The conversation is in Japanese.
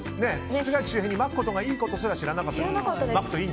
室外機周辺にまくことがいいことすら知らなかった。